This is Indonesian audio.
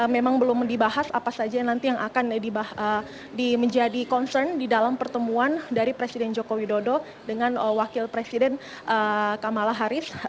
memang belum dibahas apa saja nanti yang akan menjadi concern di dalam pertemuan dari presiden joko widodo dengan wakil presiden kamala harris